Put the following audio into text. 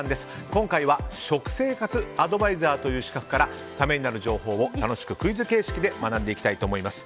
今回は、食生活アドバイザーという資格からためになる情報を楽しくクイズ形式で学んでいきたいと思います。